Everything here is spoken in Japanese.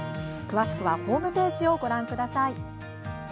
詳しくはホームページをご覧ください。